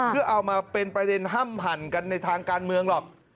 เพื่อเอามาเป็นประเด็นห้ำหั่นกันในทางการเมืองหรอก